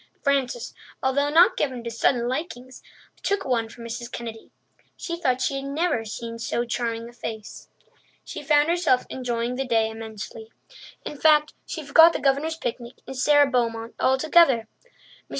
Frances, although not given to sudden likings, took one for Mrs. Kennedy. She thought she had never seen so charming a face. She found herself enjoying the day immensely. In fact, she forgot the Governor's picnic and Sara Beaumont altogether. Mrs.